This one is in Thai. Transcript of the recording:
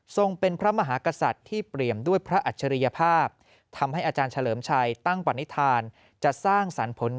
เป็นพระมหากษัตริย์ที่เปรียมด้วยพระอัจฉริยภาพทำให้อาจารย์เฉลิมชัยตั้งปณิธานจะสร้างสรรค์ผล